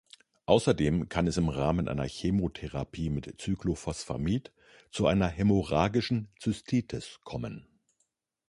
Außerdem kann es im Rahmen einer Chemotherapie mit Cyclophosphamid zu einer hämorrhagischen Zystitis kommen.